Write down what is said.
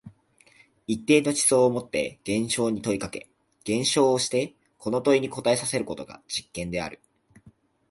一定の思想をもって現象に問いかけ、現象をしてこの問いに答えさせることが実験である。